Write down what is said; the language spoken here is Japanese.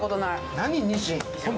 何、ニシン。